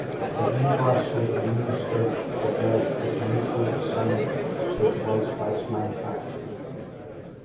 A universally administered address is uniquely assigned to a device by its manufacturer.